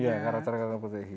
iya karakter karakter potehi